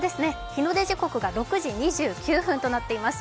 日の出時刻が６時２９分となっています。